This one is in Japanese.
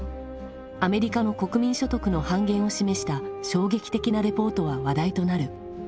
アメリカの国民所得の半減を示した衝撃的なレポートは話題となる。